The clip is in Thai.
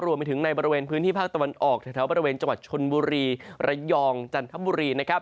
รวมไปถึงในบริเวณพื้นที่ภาคตะวันออกแถวบริเวณจังหวัดชนบุรีระยองจันทบุรีนะครับ